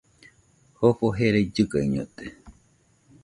Jofo jerai llɨgaiñote